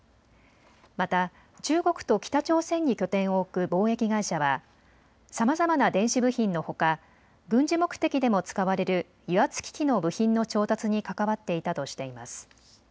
また中国と北朝鮮に拠点を置く貿易会社はさまざまな電子部品のほか軍事目的でも使われる油圧機器の部品の調達に関わっていたとしています。